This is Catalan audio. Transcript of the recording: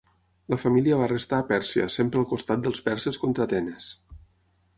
La família va restar a Pèrsia sempre al costat dels perses contra Atenes.